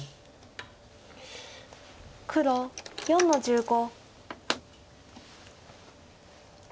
黒４の十五。